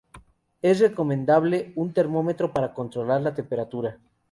Es recomendable un termómetro para controlar la temperatura.